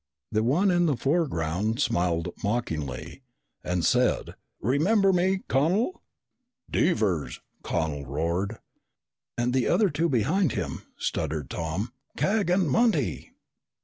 The one in the foreground smiled mockingly and said, "Remember me, Connel?" "Devers!" Connel roared. "And the other two behind him " stuttered Tom. "Cag and Monty!"